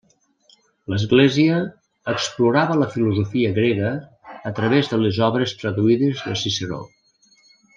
L'Església explorava la filosofia grega a través de les obres traduïdes de Ciceró.